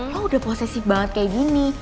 lo udah posesik banget kayak gini